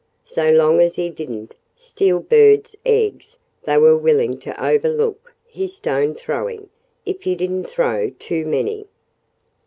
So long as he didn't steal birds' eggs they were willing to overlook his stone throwing if he didn't throw too many.